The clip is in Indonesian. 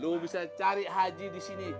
lu bisa cari haji disini